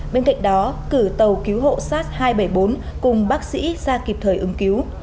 bên cạnh đó cử tàu cứu hộ sars hai trăm bảy mươi bốn cùng bác sĩ ra kịp thời ứng cứu